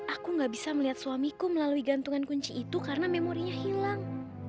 aku gak bisa melihat suamiku melalui gantungan kunci itu karena memorinya hilang